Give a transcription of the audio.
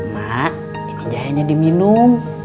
mak ini jahenya diminum